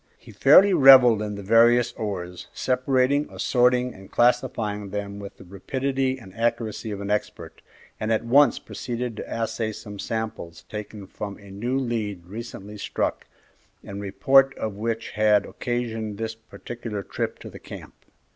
He fairly revelled in the various ores, separating, assorting, and classifying them with the rapidity and accuracy of an expert, and at once proceeded to assay some samples taken from a new lead recently struck, the report of which had occasioned this particular trip to the camp.